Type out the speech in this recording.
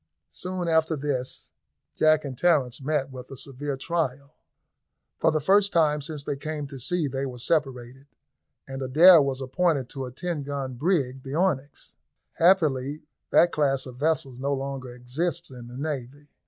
Soon after this Jack and Terence met with a severe trial. For the first time since they came to sea they were separated, and Adair was appointed to a ten gun brig, the Onyx. Happily that class of vessels no longer exists in the navy.